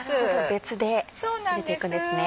別でゆでていくんですね。